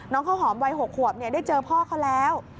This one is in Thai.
ข้าวหอมวัย๖ขวบได้เจอพ่อเขาแล้ว